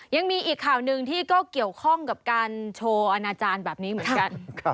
ยังมีอีกข่าวหนึ่งที่ก็เกี่ยวข้องกับการโชว์อาณาจารย์แบบนี้เหมือนกัน